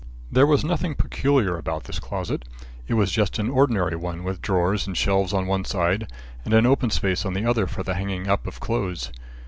There was nothing peculiar about this closet. It was just an ordinary one with drawers and shelves on one side, and an open space on the other for the hanging up of clothes.